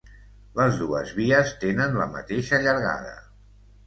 Les dues vies tenen la mateixa llargada.